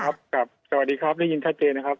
สวัสดีครับได้ยินชัดเจนนะครับ